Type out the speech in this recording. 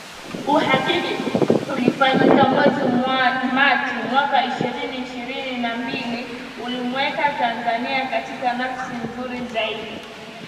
Uhakiki ulifanyika mwezi Machi mwaka ishirini ishirini na mbili uliiweka Tanzania katika nafasi nzuri zaidi